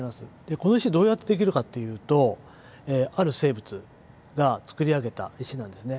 この石どうやってできるかっていうとある生物が作り上げた石なんですね。